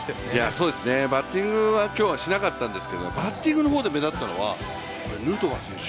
そうですね、バッティングは今日はしなかったんですけどバッティングの方で目立ったのはヌートバー選手。